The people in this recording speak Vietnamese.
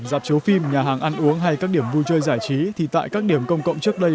dạp chiếu phim nhà hàng ăn uống hay các điểm vui chơi giải trí thì tại các điểm công cộng trước đây